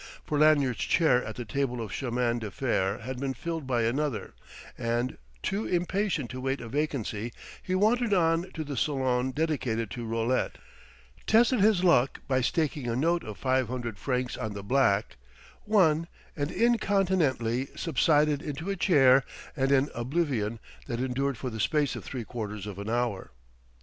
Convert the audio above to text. For Lanyard's chair at the table of chemin de fer had been filled by another and, too impatient to wait a vacancy, he wandered on to the salon dedicated to roulette, tested his luck by staking a note of five hundred francs on the black, won, and incontinently subsided into a chair and an oblivion that endured for the space of three quarters of an hour.